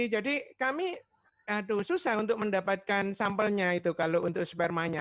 jadi kami aduh susah untuk mendapatkan sampelnya itu kalau untuk spermanya